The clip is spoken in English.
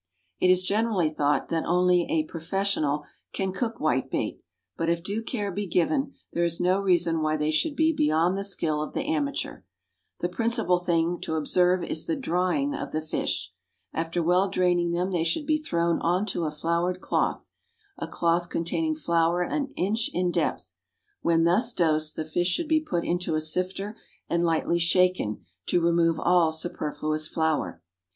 It is generally thought that only a "professional" can cook whitebait, but if due care be given there is no reason why they should be beyond the skill of the amateur. The principal thing to observe is the drying of the fish. After well draining them they should be thrown on to a floured cloth a cloth containing flour an inch in depth. When thus dosed, the fish should be put into a sifter and lightly shaken to remove all superfluous flour.